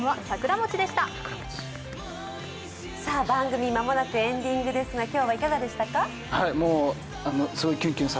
番組間もなくエンディングですが、今日はいかがでしたか？